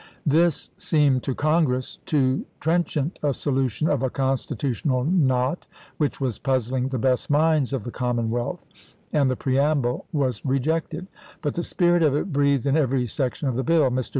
.. p. 2107. This seemed to Congress too trenchant a solu tion of a Constitutional knot which was puzzling the best minds of the commonwealth, and the pre amble was rejected; but the spirit of it breathed in every section of the bill. Mr.